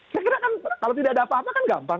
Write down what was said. saya kira kan kalau tidak ada apa apa kan gampang